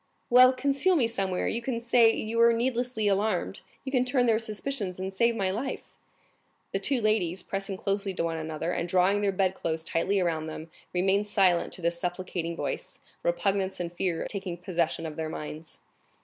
"Well, conceal me somewhere; you can say you were needlessly alarmed; you can turn their suspicions and save my life!" 50053m The two ladies, pressing closely to one another, and drawing the bedclothes tightly around them, remained silent to this supplicating voice, repugnance and fear taking possession of their minds.